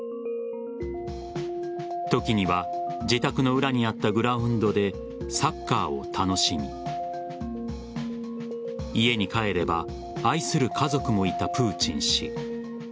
時には自宅の裏にあったグラウンドでサッカーを楽しみ家に帰れば愛する家族もいたプーチン氏。